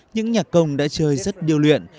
những nhạc công đã chơi rất điêu luyện